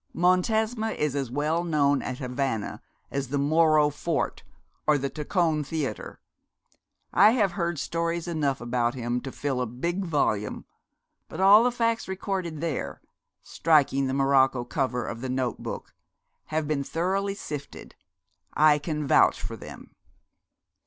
Montesma is as well known at Havana as the Morro Fort or the Tacon Theatre. I have heard stories enough about him to fill a big volume; but all the facts recorded there' striking the morocco cover of the note book 'have been thoroughly sifted; I can vouch for them.'